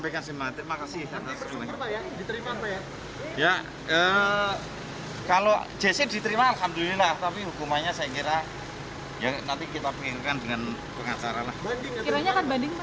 kira kira akan banding pak